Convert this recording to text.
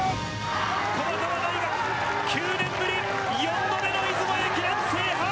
駒澤大学、９年ぶり４度目の出雲駅伝制覇。